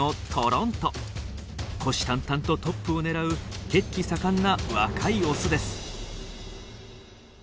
虎視眈々とトップを狙う血気盛んな若いオスです。